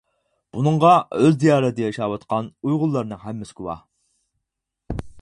بۇنىڭغا ئۆز دىيارىدا ياشاۋاتقان ئۇيغۇرلارنىڭ ھەممىسى گۇۋاھ.